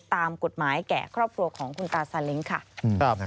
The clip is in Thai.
ตามกฎหมายแก่ครอบครัวของคุณตาซาเล้งค่ะ